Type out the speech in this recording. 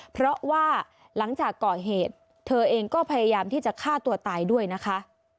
เพราะว่าหลังจากก่อเหตุเธอเองก็พยายามที่จะฆ่าตัวตายด้วยนะคะ